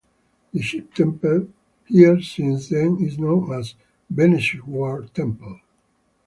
The Shiv temple here since then is known as "Veneshwar temple".